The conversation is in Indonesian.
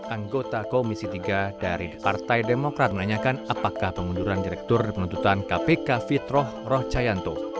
anggota komisi tiga dari partai demokrat menanyakan apakah pengunduran direktur penuntutan kpk fitroh rohcayanto